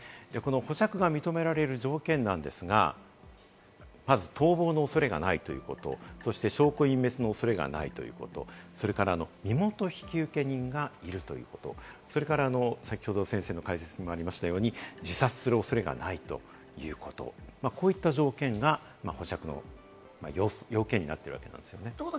保釈が認められる条件なんですが、まず逃亡の恐れがないということ、証拠隠滅の恐れがないということ、身元引受人がいるということ、それから先ほど先生の解説にもあったように、自殺するおそれがないということ、こういった条件が保釈の要件になっているわけですね。